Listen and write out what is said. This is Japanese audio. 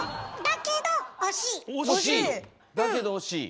だけど惜しい。